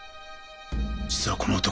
実はこの男